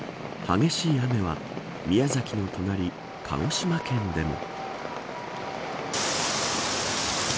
激しい雨は、宮崎の隣鹿児島県でも。